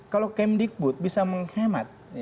kalau kemdikbud bisa menghemat